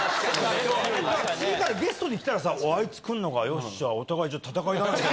次からゲストに来たら、あいつくんのか、よっしゃ、お互い戦いに。